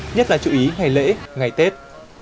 nhất là chữ ý ngày lễ ngày tết